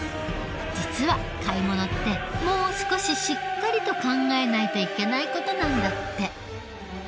実は買い物ってもう少ししっかりと考えないといけない事なんだって。